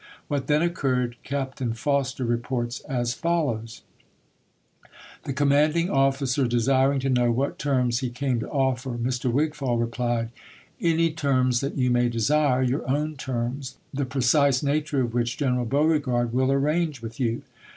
What then occurred Captain Foster reports as follows : The commanding officer desiring to know what terms he came to offer, Mr. Wigfall replied, "Any terms that you may desire, — your own terms, — the precise nature of which General Beauregard will arrange with you."